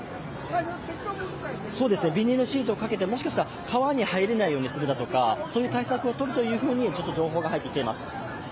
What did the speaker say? ビニールシートをかけて、もしかすると川に入れないようにするだとか、そういう対策をとるという情報が入ってきています。